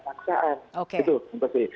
paksaan gitu itu sih